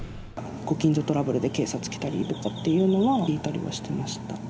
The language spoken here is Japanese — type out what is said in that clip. ご近所トラブルで警察来たりとかっていうのは、聞いたりはしてました。